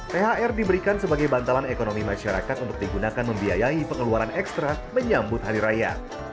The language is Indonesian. thr diberikan sebagai bantalan ekonomi masyarakat untuk digunakan membiayai pengeluaran ekstra menyambut hari raya